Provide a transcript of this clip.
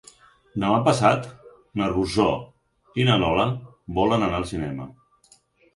Demà passat na Rosó i na Lola volen anar al cinema.